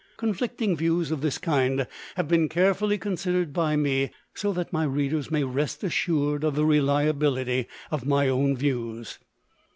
Conflicting views of this kind have been carefully considered by me, so that my readers may rest assured of the reliability of my own views.